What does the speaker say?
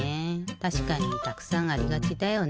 たしかにたくさんありがちだよね。